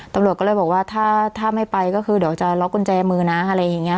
ตำรวจก็เลยบอกว่าถ้าไม่ไปก็คือเดี๋ยวจะล็อกกุญแจมือนะอะไรอย่างนี้